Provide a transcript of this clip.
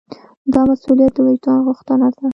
دا مسوولیت د وجدان غوښتنه ده.